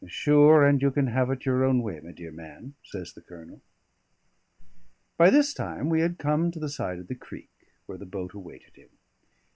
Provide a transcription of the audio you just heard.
"Sure, and you can have it your own way, my dear man," says the Colonel. By this time we had come to the side of the creek, where the boat awaited him.